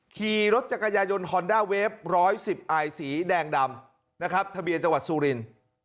ขี่รถจักรยายนฮอนด้าเวฟ๑๑๐อายสีแดงดำนะครับทะเบียนจังหวัดสุรินทร์